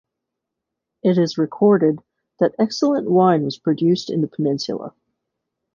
It is recorded that excellent wine was produced in the peninsula.